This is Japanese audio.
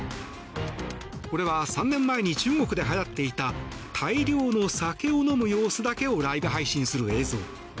これは３年前に中国ではやっていた大量の酒を飲む様子だけをライブ配信する映像。